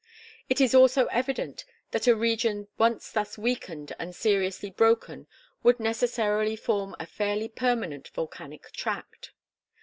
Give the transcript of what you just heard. It is also evident that a region once thus weakened and seriously broken would necessarily form a fairly permanent volcanic tract.